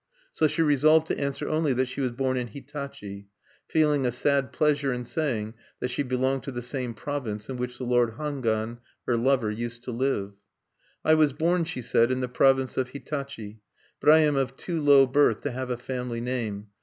So she resolved to answer only that she was born in Hitachi; feeling a sad pleasure in saying that she belonged to the same province in which the lord Hangwan, her lover, used to live. "I was born," she said, "in the province of Hitachi; but I am of too low birth to have a family name.